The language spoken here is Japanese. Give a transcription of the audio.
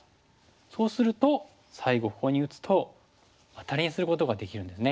そうすると最後ここに打つとアタリにすることができるんですね。